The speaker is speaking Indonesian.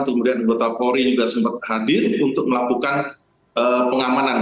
kemudian anggota polri juga sempat hadir untuk melakukan pengamanan